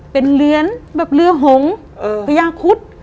เป็นเหรียญแบบเรือหงพญาคุด